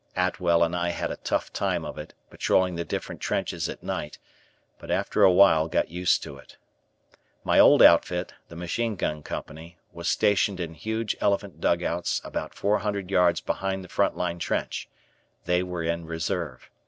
Atwell and I had a tough time of it, patrolling the different trenches at night, but after awhile got used to it. My old outfit, the Machine Gun Company, was stationed in huge elephant dugouts about four hundred yards behind the front line trench they were in reserve.